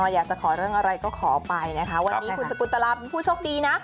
อยากจะขอเรื่องอะไรก็ขอไปนะคะวันนี้คุณสกุลตลาเป็นผู้โชคดีนะ